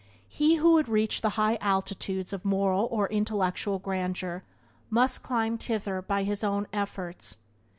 He who would reach the high altitudes of moral or intellectual grandeur must climb thither by his own efforts.